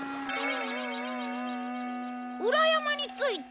裏山についた！